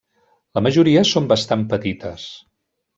La majoria són bastant petites.